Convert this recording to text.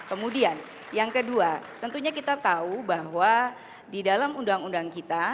kemudian yang kedua tentunya kita tahu bahwa di dalam undang undang kita